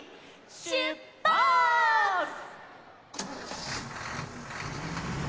しゅっぱつ！